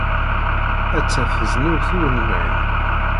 Atta tezniwt ur nemεin!